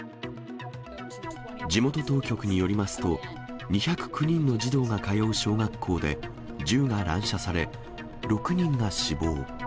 地元当局によりますと、２０９人の児童が通う小学校で銃が乱射され、６人が死亡。